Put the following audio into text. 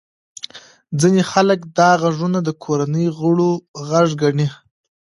ځینې خلک دا غږونه د کورنۍ غړو غږ ګڼي.